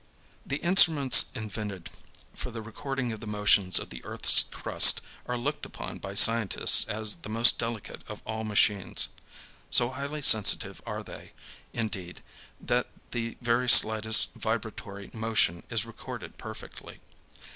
The instruments invented for the recording of the motions of the earth's crust are looked upon by scientists as the most delicate of all machines. So highly sensitive are they, indeed, that the very slightest vibratory motion is recorded perfectly.